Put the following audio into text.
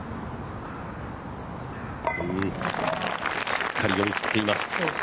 しっかり読み切っています。